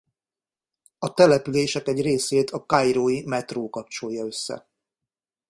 A települések egy részét a kairói metró kapcsolja össze.